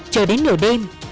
chờ đến nửa đêm